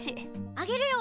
あげるよ！